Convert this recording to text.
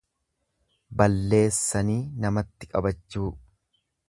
Balleessanii namatti qabachuu.